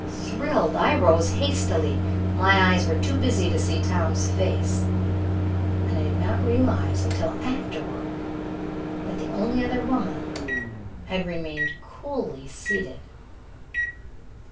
Thrilled, I rose hastily. My eyes were too busy to see Tom's face, and I did not realize until afterward that the only other woman had remained coolly seated.